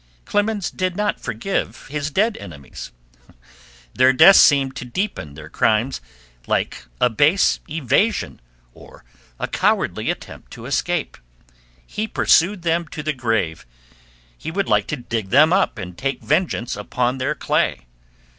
Clemens did not forgive his dead enemies; their death seemed to deepen their crimes, like a base evasion, or a cowardly attempt to escape; he pursued them to the grave; he would like to dig them up and take vengeance upon their clay.